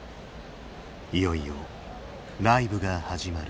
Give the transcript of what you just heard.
いよいよライブが始まる。